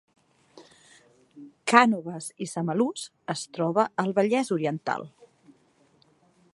Cànoves i Samalús es troba al Vallès Oriental